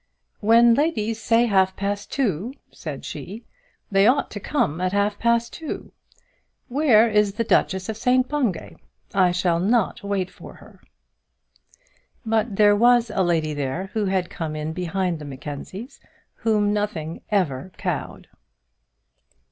"When ladies say half past two," said she, "they ought to come at half past two. Where is the Duchess of St Bungay? I shall not wait for her." But there was a lady there who had come in behind the Mackenzies, whom nothing ever cowed.